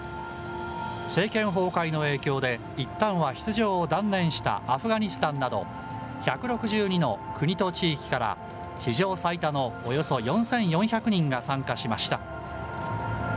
政権崩壊の影響で、いったんは出場を断念したアフガニスタンなど、１６２の国と地域から、史上最多のおよそ４４００人が参加しました。